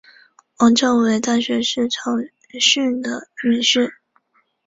王诏为大学士曹鼐女婿。